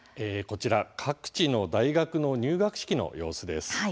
こちら、各地の大学の入学式の様子です。